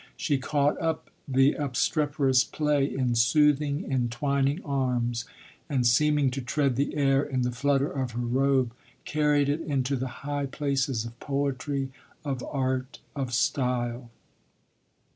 She caught up the obstreperous play in soothing, entwining arms and, seeming to tread the air in the flutter of her robe, carried it into the high places of poetry, of art, of style.